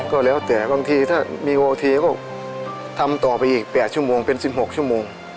ก็แล้วแต่บางทีถ้ามีโอทีก็ทำต่อไปอีก๘ชั่วโมงเป็น๑๖ชั่วโมง